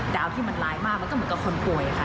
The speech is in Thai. ดาวที่มันร้ายมากมันก็เหมือนกับคนป่วยค่ะ